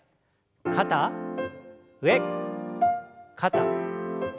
肩上肩下。